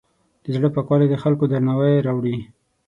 د زړۀ پاکوالی د خلکو درناوی راوړي.